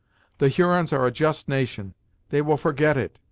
The Hurons are a just nation; they will forget it.